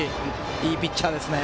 いいピッチャーですね。